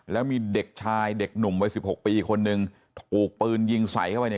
แล้วมีเด็กชายเด็กหนุ่มวัยสิบหกปีคนหนึ่งถูกปืนยิงใส่เข้าไปเนี่ย